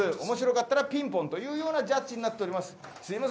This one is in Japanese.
面白かったらピンポンというジャッジになっております。